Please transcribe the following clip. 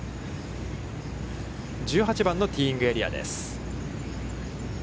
１８番のティーイングエリアです。